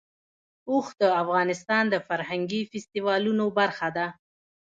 اوښ د افغانستان د فرهنګي فستیوالونو برخه ده.